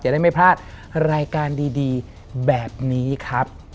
ได้ไม่พลาดรายการดีแบบนี้ครับ